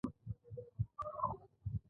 نصاب باید څلور کلن وي.